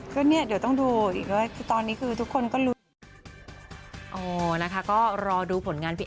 ก็เดี๋ยวต้องดูอีกด้วยตอนนี้คือทุกคนก็รู้